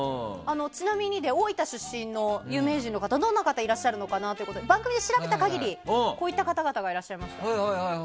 ちなみに、大分出身の有名人の方どんな方いらっしゃるのかなということで番組で調べた限りこういった方々がいらっしゃいました。